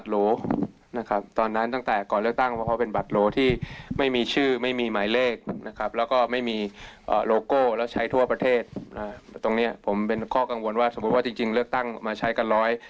แล้วก็ไม่มีโลโก้แล้วใช้ทั่วประเทศตรงนี้ผมเป็นข้อกังวลว่าสมมุติว่าจริงเลือกตั้งมาใช้กันร้อย